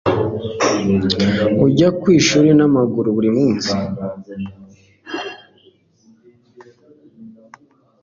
Ujya ku ishuri n'amaguru buri munsi?